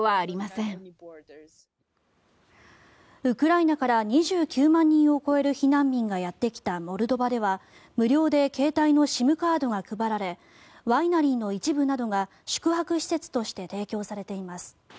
ウクライナから２９万人を超える避難民がやってきたモルドバでは無料で携帯のＳＩＭカードが配られワイナリーの一部などが宿泊施設として提供されています。